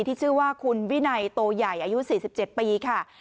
ที่ชื่อว่าคุณวินัยโตใหญ่อายุ๔๗ปีค่ะ